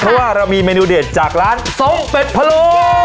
เพราะว่าเรามีเมนูเด็ดจากร้านส้มเป็ดพะโล